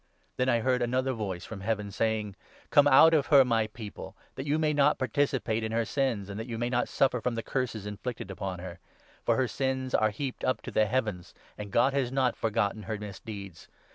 Then I 4 heard another voice from Heaven saying —' Come out of her, my People, that you may not participate in her sins, and that you may not suffer from the Curses inflicted upon her. For 5 her sins are heaped up to the heavens, and God has not for gotten her misdeeds.